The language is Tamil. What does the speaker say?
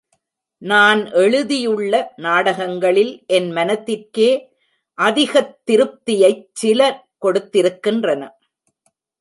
நான் எழுதியுள்ள நாடகங்களில் என் மனத்திற்கே அதிகத் திருப்தியைச் சில கொடுத்திருக்கின்றன.